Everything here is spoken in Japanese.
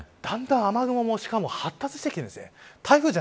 だんだん雨雲もしかも発達してきてるんです。